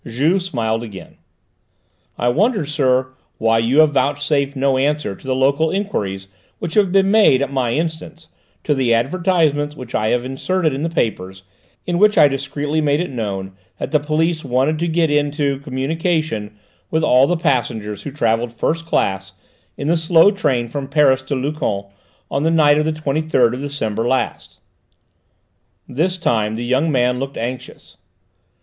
Juve smiled again. "I wondered, sir, why you vouchsafed no answer to the local enquiries which have been made at my instance, to the advertisements which I have had inserted in the papers, in which I discreetly made it known that the police wanted to get into communication with all the passengers who travelled first class, in the slow train from Paris to Luchon, on the night of the 23rd of December last." This time the young man looked anxious.